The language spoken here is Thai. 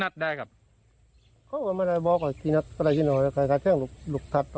เราได้ยินกี่นัดได้ครับ